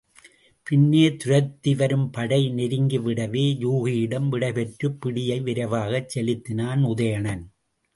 பின்னே துரத்தி வரும் படை நெருங்கிவிடவே யூகியிடம் விடைபெற்றுப் பிடியை விரைவாகச் செலுத்தினான் உதயணன்.